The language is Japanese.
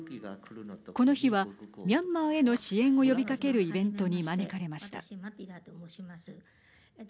この日はミャンマーへの支援を呼びかけるイベントに招かれました。